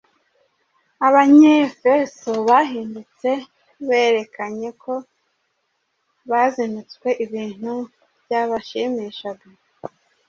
Abanyefeso bahindutse berekanye ko bazinutswe ibintu byabashimishaga.